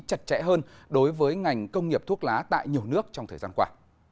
chặt chẽ hơn đối với ngành công nghiệp thuốc lá tại nhiều nước trong thời gian qua